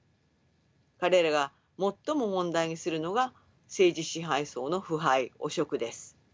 彼らが最も問題にするのが政治支配層の腐敗汚職です。